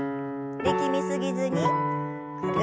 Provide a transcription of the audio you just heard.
力み過ぎずにぐるっと。